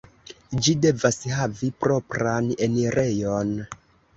Ĝi devas havi propran enirejon.